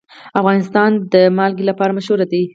افغانستان د نمک لپاره مشهور دی.